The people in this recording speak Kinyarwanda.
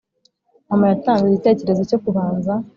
Mama yatanze igitekerezo cyo kubanza